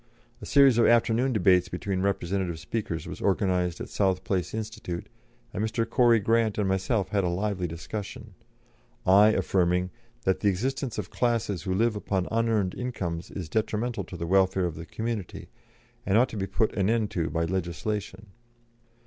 A series of afternoon debates between representative speakers was organised at South Place Institute, and Mr. Corrie Grant and myself had a lively discussion, I affirming "That the existence of classes who live upon unearned incomes is detrimental to the welfare of the community, and ought to be put an end to by legislation."